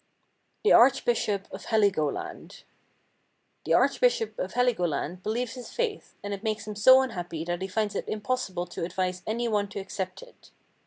The Archbishop of Heligoland The Archbishop of Heligoland believes his faith, and it makes him so unhappy that he finds it impossible to advise any one to accept it.